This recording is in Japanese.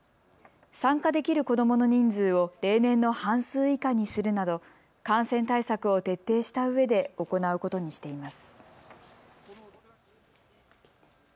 参加できる子どもの人数を例年の半数以下にするなど感染対策を徹底したうえで行うことにしています。